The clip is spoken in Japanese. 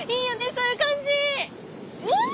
そういう感じ！